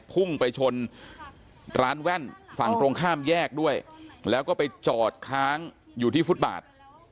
พุ่งไปชนร้านแว่นฝั่งตรงข้ามแยกด้วยแล้วก็ไปจอดค้างอยู่ที่ฟุตบาท